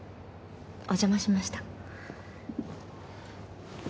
お邪魔しました。